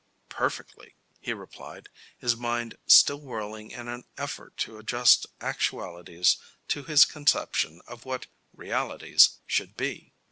"Perfectly," he replied, his mind still whirling in an effort to adjust actualities to his conception of what realities should be.